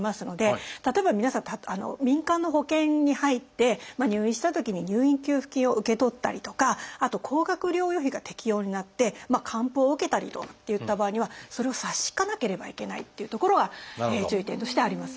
例えば皆さん民間の保険に入って入院したときに入院給付金を受け取ったりとかあと高額療養費が適用になって還付を受けたりといった場合にはそれを差し引かなければいけないっていうところが注意点としてあります。